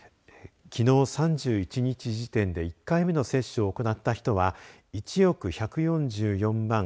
きのう、３１日時点で１回目の接種を行った人は１億１４４万３１６５